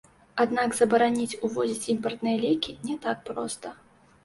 Аднак забараніць увозіць імпартныя лекі не так проста.